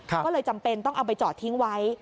ก็เลยจำเป็นต้องเอาไปจอดทิ้งไว้